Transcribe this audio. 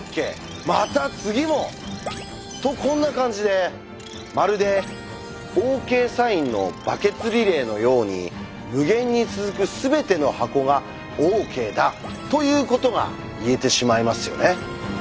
また次も！とこんな感じでまるで「ＯＫサインのバケツリレー」のように無限に続く全ての箱がＯＫだ！ということが言えてしまいますよね。